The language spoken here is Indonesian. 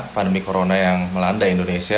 pandemi corona yang melanda indonesia